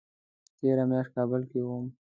تېره میاشت کابل کې وم